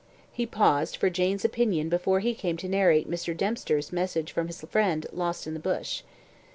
He paused for Jane's opinion before he came to narrate Mr. Dempster's message from his friend lost in the bush.